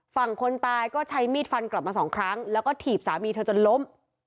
ฝั่งคนตายก็ใช้มีดฟันกลับมาสองครั้งแล้วก็ถีบสามีเธอจนล้ม